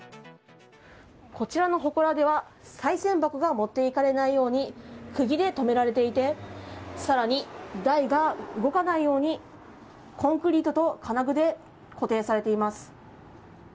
こちらのほこらではさい銭箱が持っていかれないように釘で留められていて更に台が動かないようにコンクリートと金具で固定されています。